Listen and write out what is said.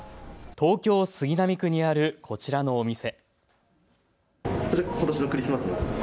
東京杉並区にあるこちらのお店。